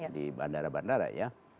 di bandara bandara ya